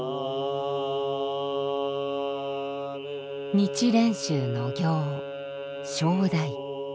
日蓮宗の行唱題。